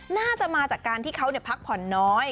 น่าจะมาจากการที่เขาพักผ่อนน้อย